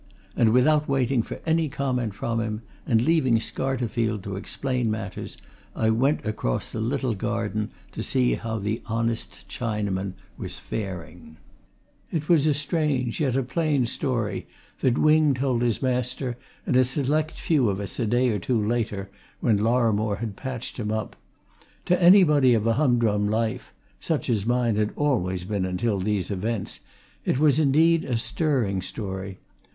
And without waiting for any comment from him, and leaving Scarterfield to explain matters, I went across the little garden to see how the honest Chinaman was faring. It was a strange, yet a plain story that Wing told his master and a select few of us a day or two later, when Lorrimore had patched him up. To anybody of a hum drum life such as mine had always been until these events it was, indeed, a stirring story.